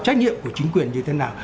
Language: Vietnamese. trách nhiệm của chính quyền như thế nào